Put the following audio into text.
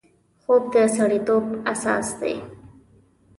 خوب د سړیتوب اساس دی